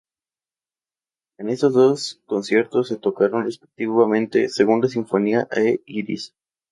En estos dos conciertos se tocaron, respectivamente, "Segunda Sinfonía" e "Iris".